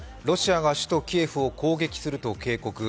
ロシアが首都キエフを攻撃すると警告。